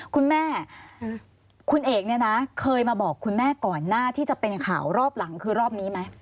คุณแม่คุณเอกเนี่ยนะเคยมาบอกคุณแม่ก่อนหน้าที่จะเป็นข่าวรอบหลังคือรอบนี้ไหม